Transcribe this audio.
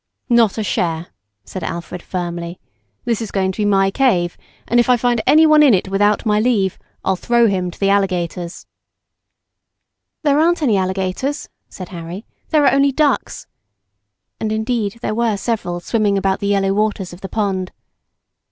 "Not a share," said Alfred firmly, "this is going to be my cave, and if I find anyone in it without my leave, I'll throw him to the alligators." "There aren't any alligators," said Harry, "there are only ducks," and indeed, there were several swimming about the yellow waters of the pond.